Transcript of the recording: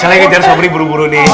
saya lagi kejar sobri buru buru nih